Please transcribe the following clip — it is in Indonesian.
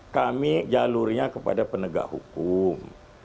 kami jalurnya kepada penegak hukum